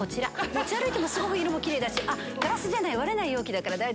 持ち歩いても色もキレイだしガラスじゃない割れない容器だから大丈夫。